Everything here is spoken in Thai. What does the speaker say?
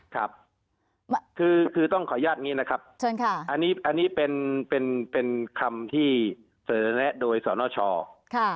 ครับคือคือต้องขออนุญาตนี้นะครับเชิญค่ะอันนี้อันนี้เป็นเป็นคำที่เสนอแนะโดยสนชค่ะ